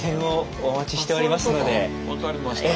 分かりました。